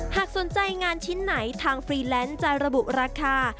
หากสนใจงานชิ้นไหนทางฟรีแลนซ์จะระบุราคา